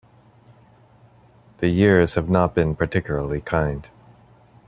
The years have not been particularly kind.